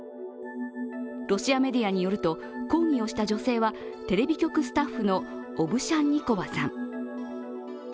ロシアメディアによると抗議をした女性は、テレビスタッフのオブシャンニコワさん。